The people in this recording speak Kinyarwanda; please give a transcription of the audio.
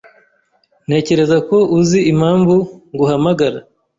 Ntekereza ko uzi impamvu nguhamagara.